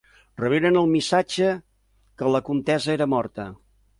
Reberen el missatge que la comtessa era morta.